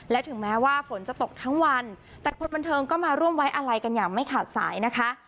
และถึงแม้ว่าฝนจะตกทั้งวันแต่คนบันเทิงก็มาร่วมไว้อะไรกันอย่างไม่ขาดสายนะคะ